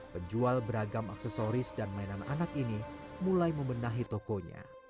penjual beragam aksesoris dan mainan anak ini mulai membenahi tokonya